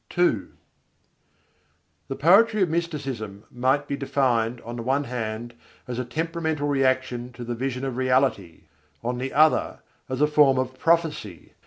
II The poetry of mysticism might be defined on the one hand as a temperamental reaction to the vision of Reality: on the other, as a form of prophecy.